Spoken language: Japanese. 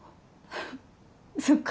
そっか。